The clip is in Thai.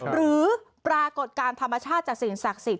หรือปรากฏการณ์ธรรมชาติจากสิ่งศักดิ์สิทธิ